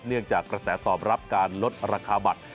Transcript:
เนื่องจากกระแสตอบรับการลดราคาบัตร